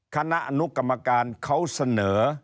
คณะอนุกรรมการเขาเสนอ